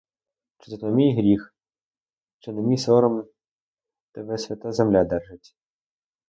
Чи то на мій гріх, чи на мій сором тебе свята земля держить?